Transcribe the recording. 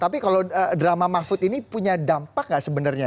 tapi kalau drama mahfud ini punya dampak nggak sebenarnya